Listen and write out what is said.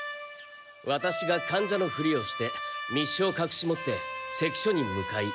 ワタシが間者のフリをして密書をかくし持って関所に向かい